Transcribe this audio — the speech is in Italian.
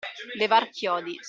Levar chiodi.